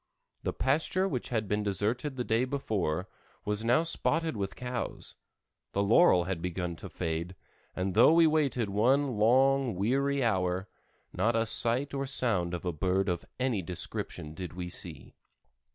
The pasture which had been deserted the day before, was now spotted with cows, the laurel had begun to fade, and though we waited one long, weary hour, not a sight or sound of a bird of any description did we see.